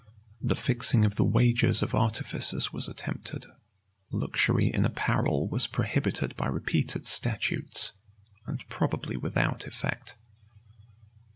The fixing of the wages of artificers was attempted: [] luxury in apparel was prohibited by repeated statutes;[] and probably without effect.